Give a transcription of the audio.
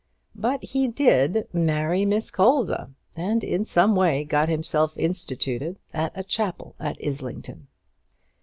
But he did marry Miss Colza, and in some way got himself instituted to a chapel at Islington.